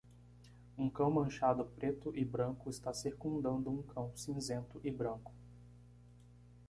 Um cão manchado preto e branco está circundando um cão cinzento e branco.